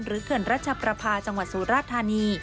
หรือเข่วรัชประพาจังหวัดสุรทานี